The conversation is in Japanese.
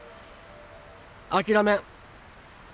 諦めん。